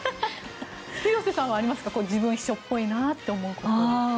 広瀬さんはありますか自分、秘書っぽいなと思うこと。